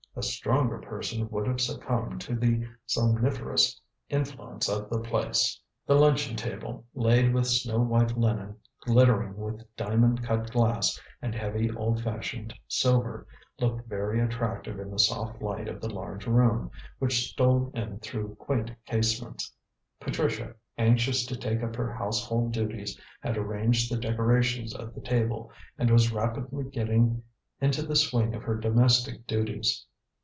A stronger person would have succumbed to the somniferous influence of the place. The luncheon table, laid with snow white linen, glittering with diamond cut glass, and heavy, old fashioned silver, looked very attractive in the soft light of the large room, which stole in through quaint casements. Patricia, anxious to take up her household duties, had arranged the decorations of the table, and was rapidly getting into the swing of her domestic duties.